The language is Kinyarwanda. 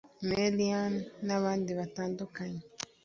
Merian n’abandi batandukanye